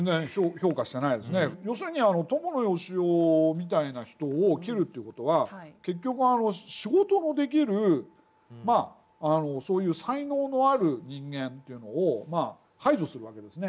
要するに伴善男みたいな人を切るっていう事は結局仕事のできるそういう才能のある人間っていうのを排除する訳ですね。